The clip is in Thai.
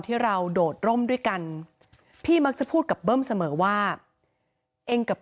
ที่เราโดดร่มด้วยกันพี่มักจะพูดกับเบิ้มเสมอว่าเองกับ